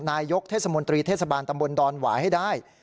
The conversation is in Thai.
นายกเทศมนตรีเทศบาลตำบลดอนหวายให้ได้